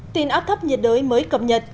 tin áp thấp nhiệt đới mới cập nhật